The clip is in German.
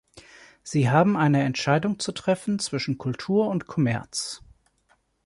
Sie haben eine Entscheidung zu treffen zwischen Kultur und Kommerz.